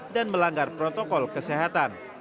dan melanggar protokol kesehatan